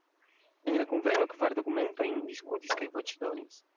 En la kunveno kvar dokumentojn diskutis kaj voĉdonis.